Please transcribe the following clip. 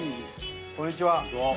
こんにちは。